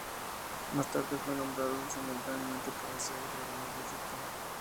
Más tarde, fue nombrado simultáneamente para ser el gobernador de Egipto.